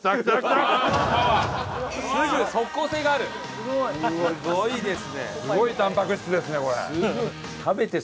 すごいですね。